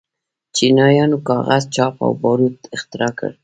چینایانو کاغذ، چاپ او باروت اختراع کړل.